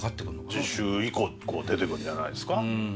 次週以降出てくるんじゃないですか？